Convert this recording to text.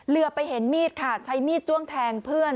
เหลือไปเห็นมีดค่ะใช้มีดจ้วงแทงเพื่อน